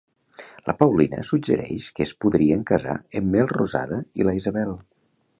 La Paulina suggereix que es podrien casar en Melrosada i la Isabel?